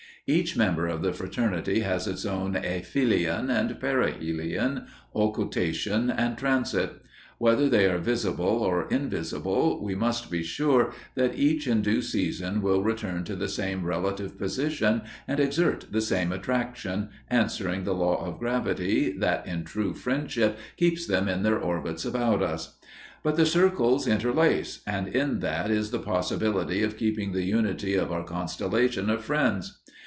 Each member of the fraternity has its own aphelion and perihelion, occultation and transit. Whether they are visible or invisible, we must be sure that each in due season will return to the same relative position and exert the same attraction, answering the law of gravity that in true friendship keeps them in their orbits about us. But the circles interlace, and in that is the possibility of keeping the unity of our constellation of friends.